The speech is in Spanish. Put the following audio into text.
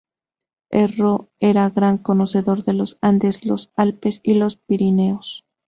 Erro era gran conocedor de los Andes, los Alpes y los Pirineos.